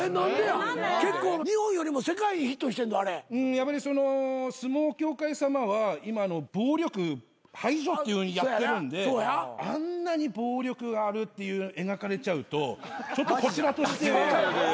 やっぱりその相撲協会さまは今暴力排除っていうふうにやってるんであんなに暴力があるって描かれちゃうとちょっとこちらとしては。